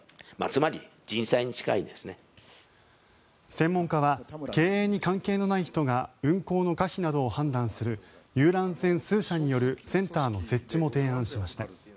専門家は経営に関係のない人が運航の可否などを判断する遊覧船数社によるセンターの設置も提案しました。